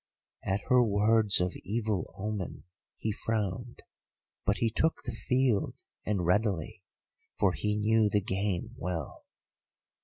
At her words of evil omen, he frowned. But he took the field and readily, for he knew the game well.